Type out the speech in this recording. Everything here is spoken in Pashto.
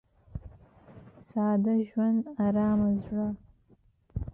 • ساده ژوند، ارامه زړه.